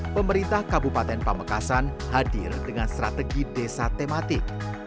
pemerintah kabupaten pamekasan hadir dengan strategi desa tematik